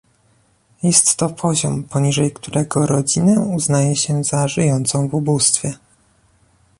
Jest to poziom, poniżej którego rodzinę uznaje się za żyjącą w ubóstwie